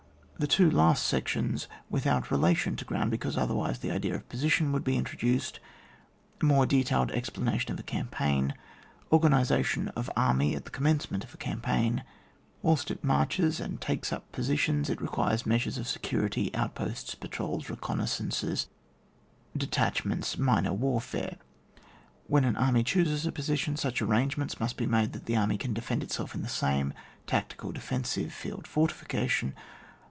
The two last sections without relation to ground, because otherwise the idea of position would be introduced. More detailed explanation of a cam paign. Organisation of aimy at the commenoe ment of a can^paign. Whilst it marches, and takes up posi tions, it requires measures of security — outposts — patrols — reconnaissances — de* tachments— minor warfare. When an army chooses a position, such arrangements must be made that the army can defend itself in the same — tactical defensive— field fortification.